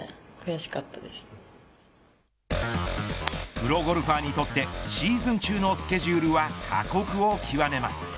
プロゴルファーにとってシーズン中のスケジュールは過酷を極めます。